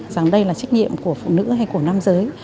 rằng đây là trách nhiệm của phụ nữ hay của nam giới